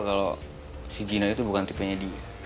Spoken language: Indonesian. kalo si gino itu bukan tipenya dia